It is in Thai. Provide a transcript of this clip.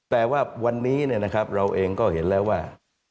แต่ว่าวันนี้เนี่ยนะครับเราเองก็เห็นแล้วว่า